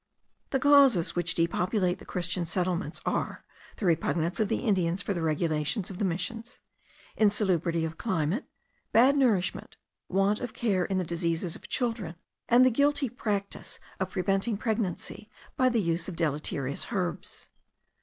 The causes which depopulate the Christian settlements are, the repugnance of the Indians for the regulations of the missions, insalubrity of climate, bad nourishment, want of care in the diseases of children, and the guilty practice of preventing pregnancy by the use of deleterious herbs.